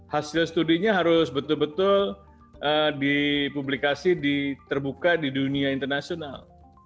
hasil studinya harus betul betul dipublikasi terbuka di dunia internasional